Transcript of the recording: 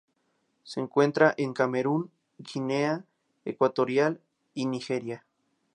Se encuentra en Camerún, Guinea Ecuatorial, y Nigeria.